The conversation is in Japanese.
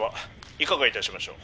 いかがいたしましょう？」。